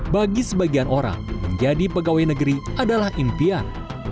bagi sebagian orang menjadi pegawai negeri adalah impian